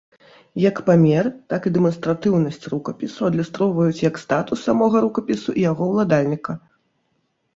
Як памер, так і дэманстратыўнасць рукапісу адлюстроўваюць як статус самога рукапісу і яго уладальніка.